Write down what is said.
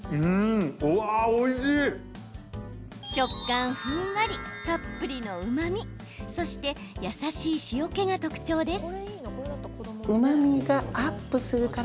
食感ふんわり、たっぷりのうまみそして優しい塩けが特徴です。